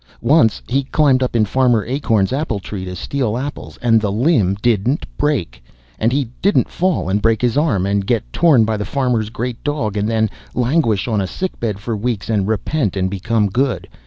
Once he climbed up in Farmer Acorn's apple tree to steal apples, and the limb didn't break, and he didn't fall and break his arm, and get torn by the farmer's great dog, and then languish on a sickbed for weeks, and repent and become good.